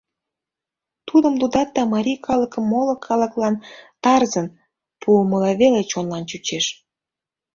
Тудым лудат да марий калыкым моло калыклан тарзын! пуымыла веле чонлан чучеш.